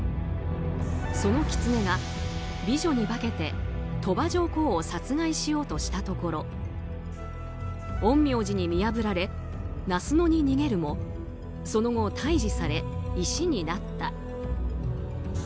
そのキツネが美女に化けて鳥羽上皇を殺害しようとしたところ陰陽師に見破られ那須野に逃げるもその後、退治され石になった。